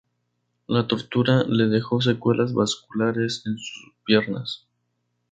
La tortura le dejó secuelas vasculares en sus piernas.